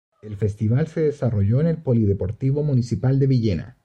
El festival se desarrolló en el Polideportivo Municipal de Villena.